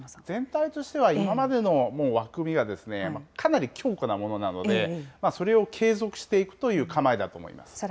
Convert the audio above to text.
全体としては、今までの枠組みはかなり強固なものなので、それを継続していくという構えだと思います。